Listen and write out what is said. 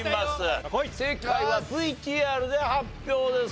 正解はＶＴＲで発表です。